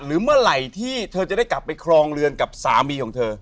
หรือเมื่อไหร่ที่เธอจะได้กลับไปครองเรือนกับสามีของเธอ